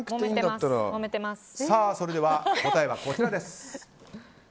それでは、答えはこちらです。